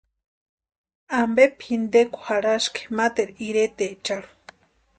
Ampe pʼintekwa jarhaski materu iretecharhu.